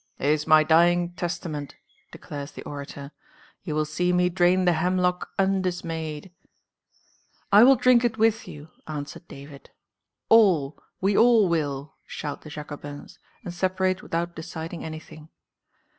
"It is my dying testament," declares the orator. "You will see me drain the hemlock undismayed." "I will drink it with you," answered David. "All, we all will!" shout the Jacobins, and separate without deciding anything.